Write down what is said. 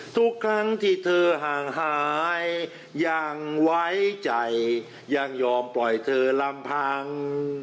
ทุกครั้งที่เธอห่างหายยังไว้ใจยังยอมปล่อยเธอลำพัง